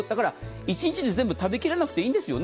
一日で全部食べきらなくていいんですよね。